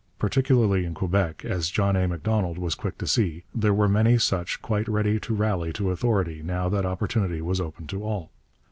Particularly in Quebec, as John A. Macdonald was quick to see, there were many such, quite ready to rally to authority now that opportunity was open to all.